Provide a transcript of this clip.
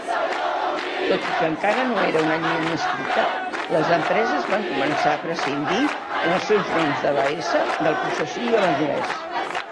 Tot i que encara no era una llei no escrita, les empreses van començar a prescindir en els seus noms de la "s" del possessiu de l'anglès.